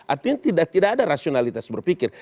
artinya tidak ada rasionalitas berpikir